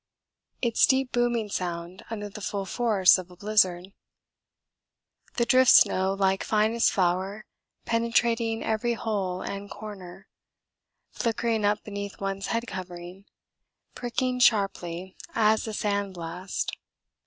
Its deep booming sound under the full force of a blizzard. The drift snow like finest flour penetrating every hole and corner flickering up beneath one's head covering, pricking sharply as a sand blast.